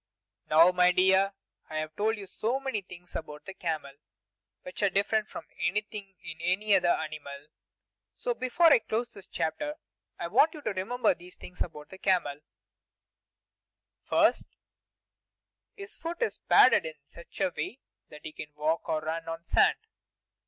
Now, my dear, I have told you many things about the camel which are different from anything in any other animal. So, before I close this chapter, I want you to remember these things about the camel: 1. His foot is padded in such a way that he can walk or run on sand.